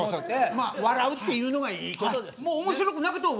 まあ笑うっていうのがいいことです。